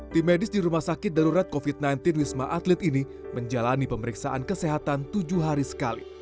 tim medis di rumah sakit darurat covid sembilan belas wisma atlet ini menjalani pemeriksaan kesehatan tujuh hari sekali